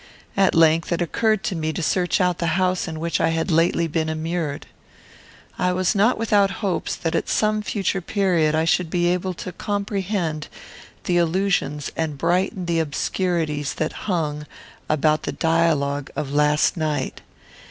At length, it occurred to me to search out the house in which I had lately been immured. I was not without hopes that at some future period I should be able to comprehend the allusions and brighten the obscurities that hung about the dialogue of last night.